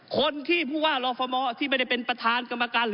คนที่ผู้ว่ารอฟมที่ไม่ได้เป็นประธานกรรมการ